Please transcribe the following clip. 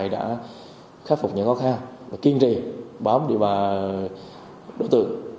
đã khắc phục những khó khăn và kiên trì bám địa bàn đối tượng